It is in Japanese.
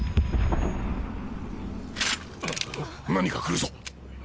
何か来るぞ！